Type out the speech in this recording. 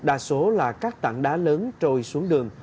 đa số là các tảng đá lớn trôi xuống đường